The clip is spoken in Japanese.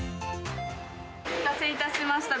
お待たせいたしました。